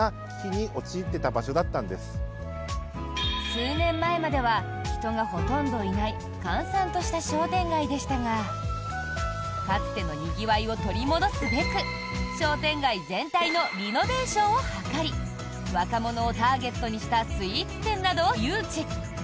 数年前までは人がほとんどいない閑散とした商店街でしたがかつてのにぎわいを取り戻すべく商店街全体のリノベーションを図り若者をターゲットにしたスイーツ店などを誘致。